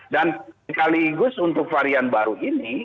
dan sekaligus untuk varian baru ini